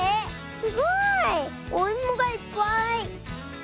すごい。おいもがいっぱい。